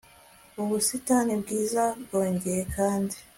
ubusitani bwiza byongeye kandi